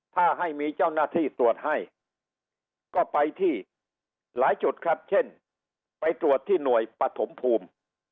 ถ้าให้มีเจ้าหน้าที่ตรวจให้ก็ไปที่หลายจุดครับเช่นไปตรวจที่หน่วยปฐมภูมิ